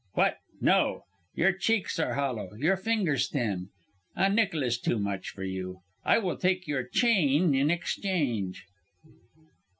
What, no! Your cheeks are hollow, your fingers thin. A nickel is too much for you. I will take your chain in exchange."